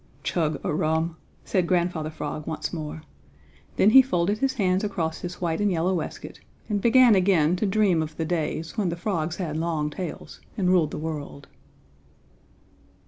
"Chug a rum!" said Grandfather Frog once more. Then he folded his hands across his white and yellow waistcoat and began again to dream of the days when the frogs had long tails and ruled the world.